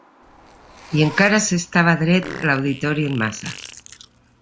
I encara s'estava dret l'auditori en massa